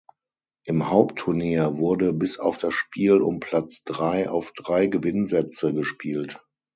Im Hauptturnier wurde bis auf das Spiel um Platz drei auf drei Gewinnsätze gespielt.